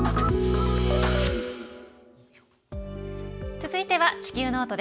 続いては「地球ノート」。